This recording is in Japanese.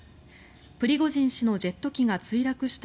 プリゴジン氏のジェット機が墜落した